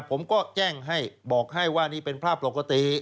ผมก็แจ้งให้บอกให้ว่านี่เป็นภาพปกติ